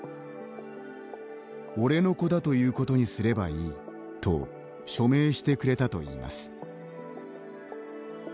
俺の子だということにすればいいと署名してくれたといいます。